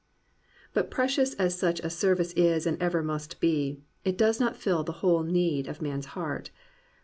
But precious as such a service is and ever must be, it does not fill the whole need of man's heart.